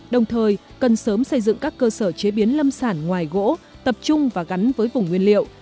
đồng thời cần sớm xây dựng các cơ sở chế biến lâm sản ngoài gỗ tập trung và gắn với vùng nguyên liệu